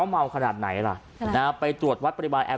ก็แค่มีเรื่องเดียวให้มันพอแค่นี้เถอะ